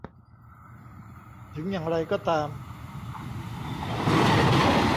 ถึงอย่างไรก็ตาม